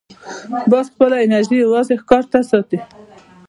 باز خپله انرژي یوازې ښکار ته ساتي